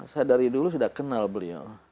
saya dari dulu sudah kenal beliau